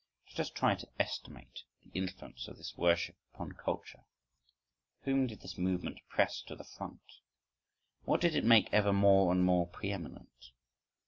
Let us try to estimate the influence of this worship upon culture. Whom did this movement press to the front? What did it make ever more and more pre eminent?